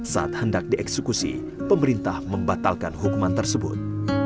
saat hendak dieksekusi pemerintah membatalkan hukuman tersebut